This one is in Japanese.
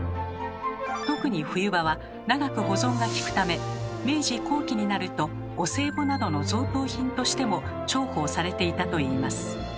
特に冬場は長く保存がきくため明治後期になるとお歳暮などの贈答品としても重宝されていたといいます。